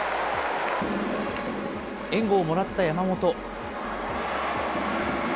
援護をもらった山本。